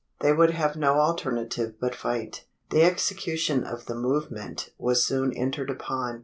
They would have no alternative but fight. The execution of the movement was soon entered upon.